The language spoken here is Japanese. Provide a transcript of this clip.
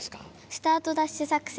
スタートダッシュ作戦。